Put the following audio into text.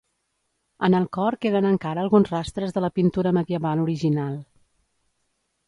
En el cor queden encara alguns rastres de la pintura medieval original.